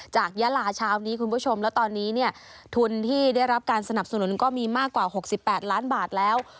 ยาลาเช้านี้คุณผู้ชมแล้วตอนนี้เนี่ยทุนที่ได้รับการสนับสนุนก็มีมากกว่า๖๘ล้านบาทแล้ว